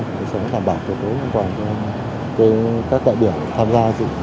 đảm bảo cơ hội an toàn cho các đại biểu tham gia dự lập hội